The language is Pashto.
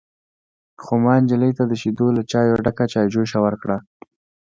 _خو ما نجلۍ ته د شيدو له چايو ډکه چايجوشه ورکړه.